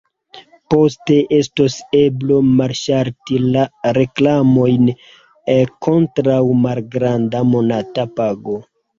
Poste estos eblo malŝalti la reklamojn kontraŭ malgranda monata pago.